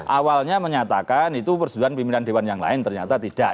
awalnya menyatakan itu persetujuan pimpinan dewan yang lain ternyata tidak